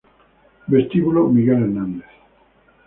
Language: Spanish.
Vestíbulo Miguel Hernández